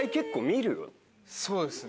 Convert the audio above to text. そうですね。